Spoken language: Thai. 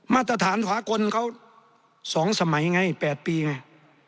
มาตรฐานขวากลเขาสองสมัยไงแปดปีไง